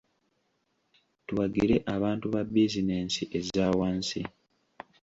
Tuwagire abantu ba bizinensi eza wansi.